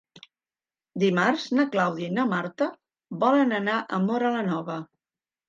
Dimarts na Clàudia i na Marta volen anar a Móra la Nova.